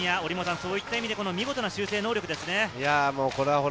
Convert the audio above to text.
そういった意味で見事な修正能力ですね。